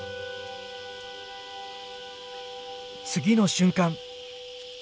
次の瞬間！